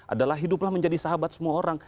adalah hiduplah menjadi sahabat semua orang